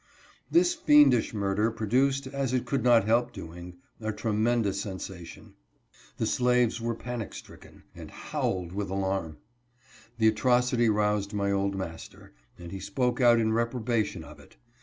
This fiendish murder produced, as it could not help doing, a tremendous sensation. The slaves were panic stricken, and howled with alarm. The atrocity roused my old master, and he spoke out in reprobation of it.